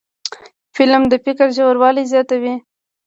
فلم د فکر ژوروالی زیاتوي